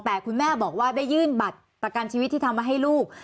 แต่คุณแม่บอกว่าได้ยื่นบัตรประกันชีวิตที่ทำให้ลูก